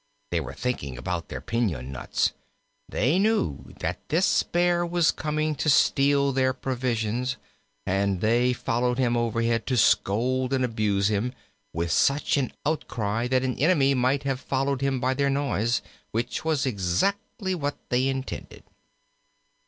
They were thinking about their piñon nuts. They knew that this Bear was coming to steal their provisions, and they followed him overhead to scold and abuse him, with such an outcry that an enemy might have followed him by their noise, which was exactly what they intended.